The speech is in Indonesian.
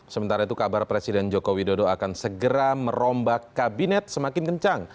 sementara itu kabar presiden joko widodo akan segera merombak kabinet semakin kencang